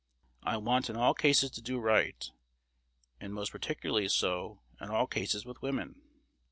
I want in all cases to do right; and most particularly so in all cases with women.